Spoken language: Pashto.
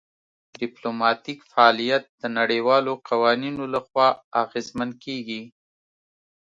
ډیپلوماتیک فعالیت د نړیوالو قوانینو لخوا اغیزمن کیږي